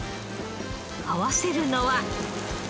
合わせるのは。